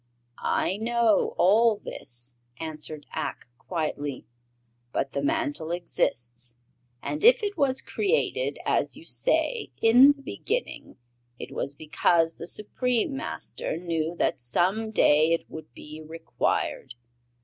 "I know all this," answered Ak, quietly. "But the Mantle exists, and if it was created, as you say, in the Beginning, it was because the Supreme Master knew that some day it would be required.